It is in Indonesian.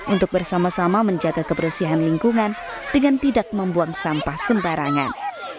untuk bersama sama menjaga kebersihan lingkungan dengan tidak membuang sampah sembarangan